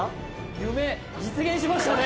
夢実現しましたね